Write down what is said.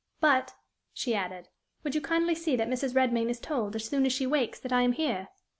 "But," she added, "would you kindly see that Mrs. Redmain is told, as soon as she wakes, that I am here?"